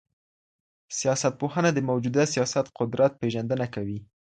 سياستپوهنه د موجوده سياسي قدرت پېژندنه کوي.